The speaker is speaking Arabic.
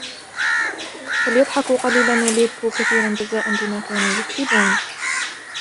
فليضحكوا قليلا وليبكوا كثيرا جزاء بما كانوا يكسبون